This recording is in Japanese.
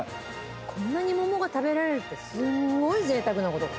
こんなに桃が食べられるってすごい贅沢なこと